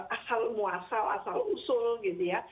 asal muasal asal usul gitu ya